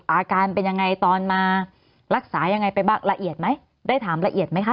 อาการเป็นยังไงตอนมารักษายังไงไปบ้างละเอียดไหมได้ถามละเอียดไหมคะ